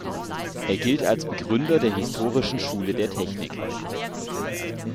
Er gilt als Begründer der historischen Schule der Technik.